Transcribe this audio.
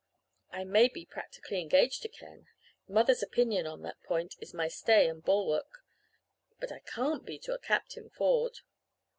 I may be practically engaged to Ken mother's opinion on that point is my stay and bulwark but I can't be to Captain Ford!